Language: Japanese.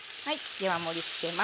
では盛りつけます。